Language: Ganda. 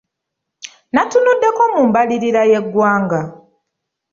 Nnatunuddeko mu mbalirira y’eggwanga.